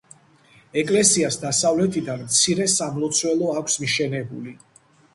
ეკლესიას დასავლეთიდან მცირე სამლოცველო აქვს მიშენებული.